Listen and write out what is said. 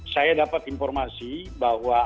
saya dapat informasi bahwa